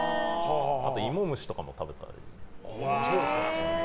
あと、芋虫とかも食べたり。